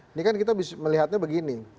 ini kan kita melihatnya begini